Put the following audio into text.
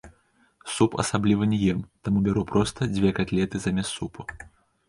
Суп асабліва не ем, таму бяру проста дзве катлеты замест супу.